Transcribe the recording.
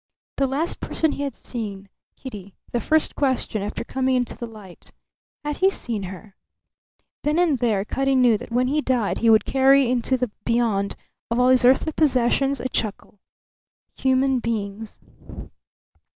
The last person he had seen, Kitty; the first question, after coming into the light: Had he seen her? Then and there Cutty knew that when he died he would carry into the Beyond, of all his earthly possessions a chuckle. Human beings!